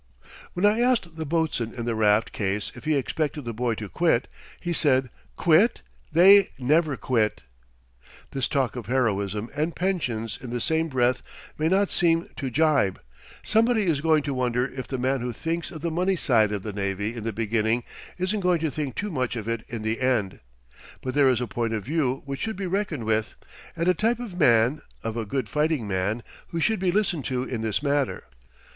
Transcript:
When I asked the boatswain in the raft case if he expected the boy to quit, he said: "Quit! They never quit." This talk of heroism and pensions in the same breath may not seem to jibe; somebody is going to wonder if the man who thinks of the money side of the navy in the beginning isn't going to think too much of it in the end. But there is a point of view which should be reckoned with, and a type of man, of a good fighting man, who should be listened to in this matter.